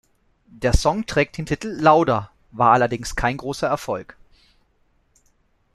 Der Song trägt den Titel "Louder", war allerdings kein großer Erfolg.